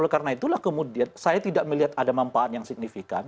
karena itulah kemudian saya tidak melihat ada manfaat yang signifikan